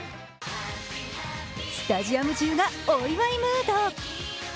スタジアム中が、お祝いムード。